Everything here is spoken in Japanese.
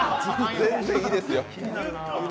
全然いいですよ。